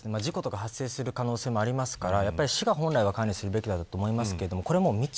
事故が発生する可能性もありますから市が本来は管理するべきだと思います。